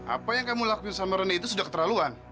apa yang kamu lakuin sama reni itu sudah keterlaluan